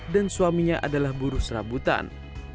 dan suaminya adalah buruh serabutan